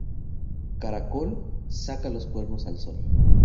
Caracol, saca los cuernos al sol